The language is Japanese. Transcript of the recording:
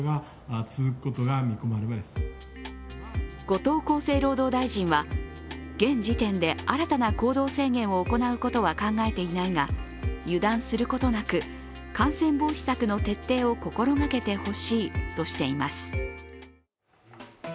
後藤厚生労働大臣は、現時点で新たな行動制限を行うことは考えていないが油断することなく、感染防止策の徹底を心がけてほしいとしています。